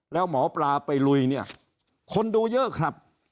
แล้วหมอปลาไปลุยเนี่ยคนดูเยอะครับ